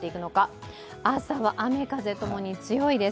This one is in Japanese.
朝は雨風とも強いです。